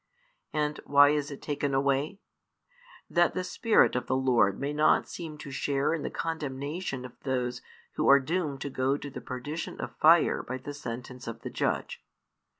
And why is it taken away? That the Spirit of the Lord may not seem to share in the condemnation of those who are doomed to go to the perdition of fire by the sentence of the judge.